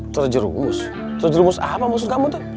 terjerumus terjerumus apa maksud kamu tuh